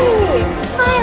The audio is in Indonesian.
ini hari jadimu